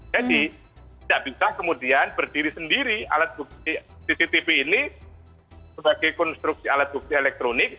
jadi tidak bisa kemudian berdiri sendiri alat bukti cctv ini sebagai konstruksi alat bukti elektronik